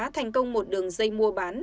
thành công một đường dây mua bán